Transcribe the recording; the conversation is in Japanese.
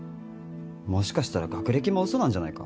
もしかしたら学歴も嘘なんじゃないか？